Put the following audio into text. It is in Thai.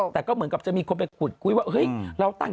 แต่ก็เหมือนกับจะมีคนไปขุดขุ้ยว่า